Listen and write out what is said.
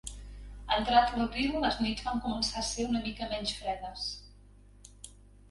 Entrat l'abril les nits van començar a ser una mica menys fredes